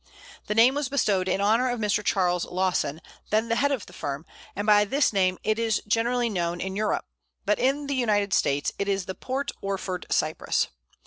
The name was bestowed in honour of Mr. Charles Lawson, the then head of the firm, and by this name it is generally known in Europe, but in the United States it is the Port Orford Cypress.